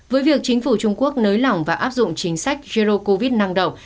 với việc chính phủ trung quốc nới lỏng và áp dụng chính sách zero covid năng động